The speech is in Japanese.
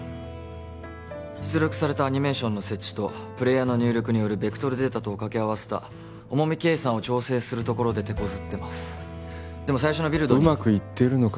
出力されたアニメーションの接地とプレイヤーの入力によるベクトルデータとを掛け合わせた重み計算を調整するところでてこずってますでも最初のビルドにうまくいっているのか？